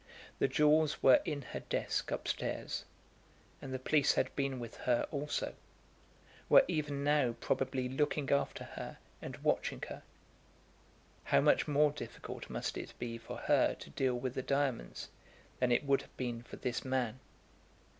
The jewels were in her desk up stairs, and the police had been with her also, were even now probably looking after her and watching her. How much more difficult must it be for her to deal with the diamonds than it would have been for this man.